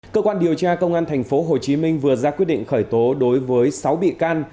cơ quan điều tra công an tp hcm vừa ra quyết định khởi tố đối với sáu bị can